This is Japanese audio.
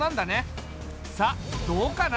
さっどうかな？